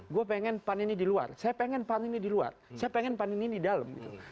gue pengen pan ini di luar saya pengen pan ini di luar saya pengen pan ini di dalam